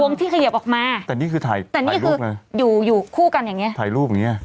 วงที่ขยับออกมาแต่นี่คือถ่ายรูปเลยถ่ายรูปอยู่คู่กันอย่างนี้ถ่ายรูปอย่างนี้